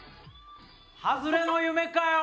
外れの夢かよ！